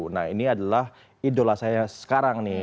nah ini adalah idola saya sekarang nih